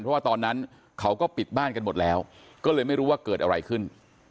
เพราะว่าตอนนั้นเขาก็ปิดบ้านกันหมดแล้วก็เลยไม่รู้ว่าเกิดอะไรขึ้น